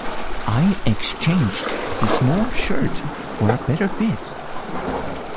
I exchanged the small shirt for a better fit.